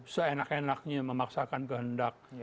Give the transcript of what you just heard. seenak enaknya memaksakan kehendak